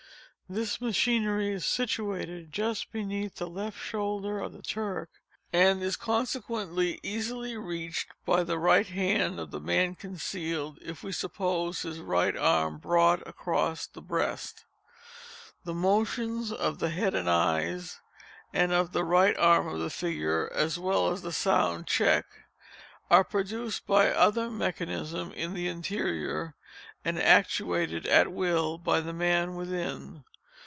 This machinery is situated just beneath the left shoulder of the Turk, and is consequently easily reached by the right hand of the man concealed, if we suppose his right arm brought across the breast. The motions of the head and eyes, and of the right arm of the figure, as well as the sound _echec _are produced by other mechanism in the interior, and actuated at will by the man within.